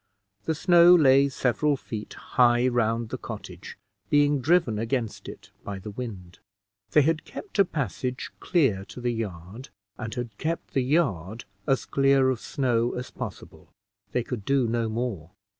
The snow lay several feet high round the cottage, being driven against it by the wind. They had kept a passage clear to the yard, and had kept the yard as clear of snow as possible: they could do no more.